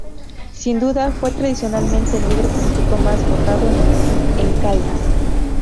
Sin duda, fue tradicionalmente el líder político más votado en Caldas.